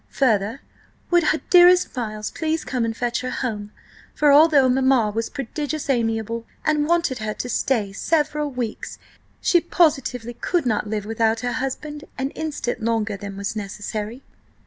Further, would her dearest Miles please come and fetch her home, for although Mamma was prodigious amiable, and wanted her to stay several weeks, she positively could not live without her husband an instant longer than was necessary!